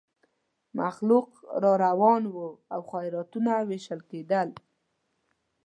مخلوق را روان وو او خیراتونه وېشل کېدل.